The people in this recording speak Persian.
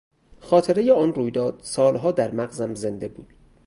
خاطرهی آن رویداد سالها در مغزم زنده بود.